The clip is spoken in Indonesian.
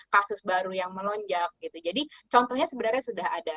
kasus baru yang melonjak gitu jadi contohnya sebenarnya sudah ada